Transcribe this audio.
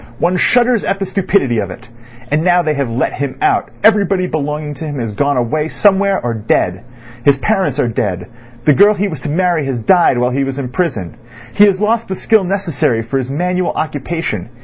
One shudders at the stupidity of it. And now they have let him out everybody belonging to him is gone away somewhere or dead. His parents are dead; the girl he was to marry has died while he was in prison; he has lost the skill necessary for his manual occupation.